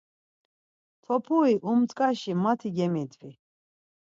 Topuri umç̌ǩaşi mati gemidvi.